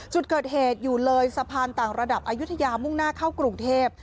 จุดเกิดเหตุอยู่เลยสะพานต่างระดับอายุทยามุ่งหน้าเข้ากรุงเทพ